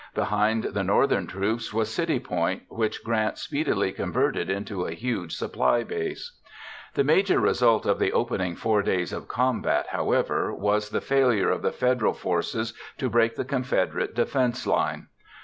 Behind the Northern troops was City Point, which Grant speedily converted into a huge supply base. The major result of the opening 4 days of combat, however, was the failure of the Federal forces to break the Confederate defense line.